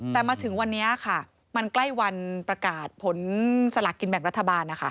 แต่มาถึงวันนี้ค่ะมันใกล้วันประกาศผลสลากกินแบ่งรัฐบาลนะคะ